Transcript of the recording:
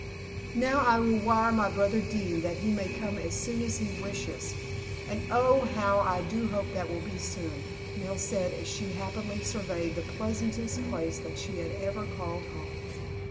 "Now I will wire my brother Dean that he may come as soon as he wishes; and oh, how I do hope that will be soon," Nell said as she happily surveyed the pleasantest place that she had ever called home.